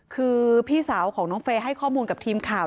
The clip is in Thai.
คือพี่สาวของน้องเฟย์ให้ข้อมูลกับทีมข่าว